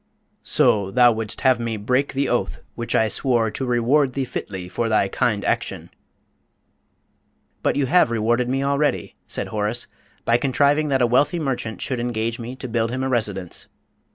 "So thou wouldst have me break the oath which I swore to reward thee fitly for thy kind action?" "But you have rewarded me already," said Horace, "by contriving that a wealthy merchant should engage me to build him a residence.